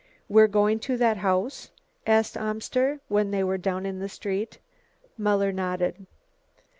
"We're going to that house?" asked Amster when they were down in the street. Muller nodded.